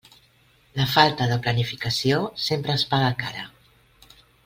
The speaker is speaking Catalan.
La falta de planificació sempre es paga cara.